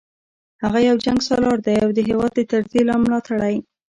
هغه یو جنګسالار دی او د هیواد د تجزیې ملاتړی